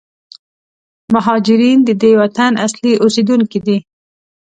مهارجرین د دې وطن اصلي اوسېدونکي دي.